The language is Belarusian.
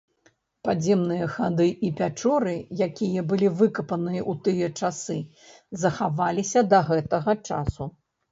Падземныя хады і пячоры, якія былі выкапаныя ў тыя часы, захаваліся да гэтага часу.